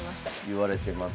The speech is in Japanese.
いわれてます。